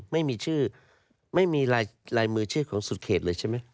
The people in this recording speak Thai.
ไม่มีชื่อไม่มีลายมือชื่อของสุดเขตเลยใช่ไหม